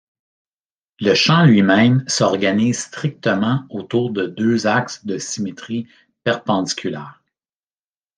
Le champ lui-même s'organise strictement autour de deux axes de symétrie perpendiculaires.